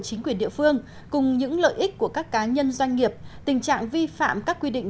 chính quyền địa phương cùng những lợi ích của các cá nhân doanh nghiệp tình trạng vi phạm các quy định